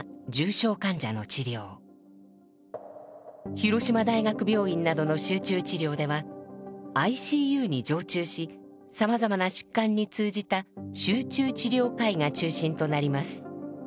広島大学病院などの集中治療ではＩＣＵに常駐しさまざまな疾患に通じた集中治療科医が中心となります。